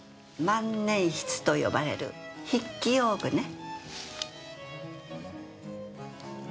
万年筆と呼ばれる筆記用具ね。